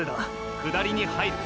下りに入る！！